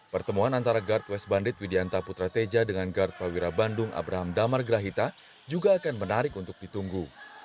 pertemuan antara guard west bandit widianta putra teja dengan guard prawira bandung abraham damar grahita juga akan menarik untuk ditunggu